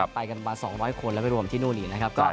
ไปกันมา๒๐๐คนแล้วไปรวมที่นู่นอีกนะครับ